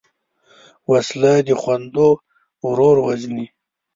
وسله د خویندو ورور وژني